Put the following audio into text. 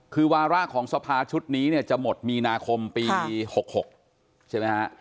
คือวาระของสภาชุดนี้เนี่ยจะหมดมีนาคมปี๖๖ใช่ไหมฮะ